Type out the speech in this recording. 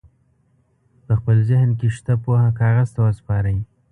په خپل ذهن کې شته پوهه کاغذ ته وسپارئ.